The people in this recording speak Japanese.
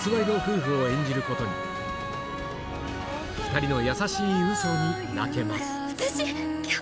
２人の優しい嘘に泣けます